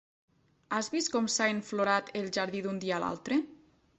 Has vist com s'ha enflorat el jardí d'un dia a l'altre?